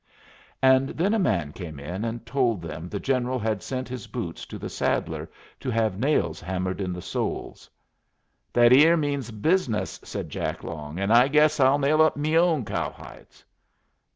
And then a man came in and told them the General had sent his boots to the saddler to have nails hammered in the soles. "That eer means business," said Jack Long, "'n' I guess I'll nail up mee own cowhides."